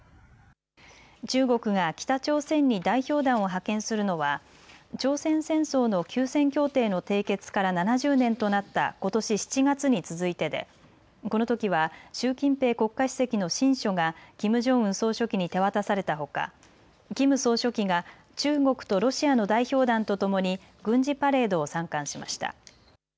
中国が北朝鮮に代表団を派遣するのは朝鮮戦争の休戦協定の締結から７０年となったことし７月に続いてでこのときは習近平国家主席の親書がキム・ジョンウン総書記に手渡されたほか、キム総書記が中国とロシアの代表団とともに軍事パレードを参観しました。